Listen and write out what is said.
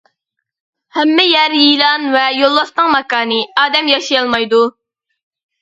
ھەممە يەر يىلان ۋە يولۋاسنىڭ ماكانى، ئادەم ياشىيالمايدۇ.